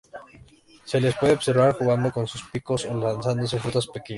Se les puede observar jugando con sus picos o lanzándose frutas pequeñas.